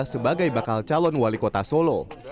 sebagai bakal calon wali kota solo